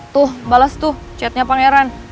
tuh balas tuh chatnya pangeran